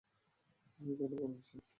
আমি এখানেই বড় হয়েছি।